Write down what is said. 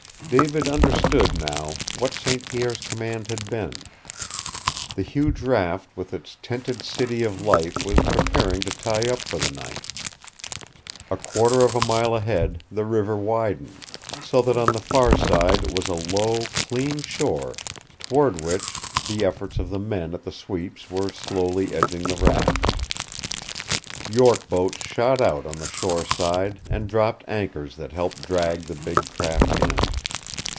David understood now what St. Pierre's command had been. The huge raft with its tented city of life was preparing to tie up for the night. A quarter of a mile ahead the river widened, so that on the far side was a low, clean shore toward which the efforts of the men at the sweeps were slowly edging the raft. York boats shot out on the shore side and dropped anchors that helped drag the big craft in.